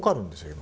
今。